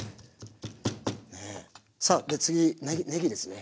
さあ次ねぎですね。